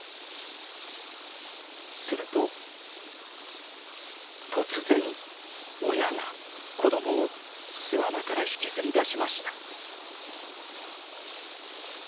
すると突然親が子供を巣穴から引きずり出しました。